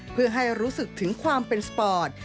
เพื่อให้รู้สึกถึงความเป็นสปอร์ต